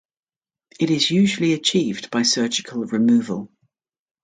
It is usually achieved by surgical removal.